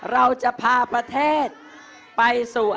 เราจะพาประเทศไปสู่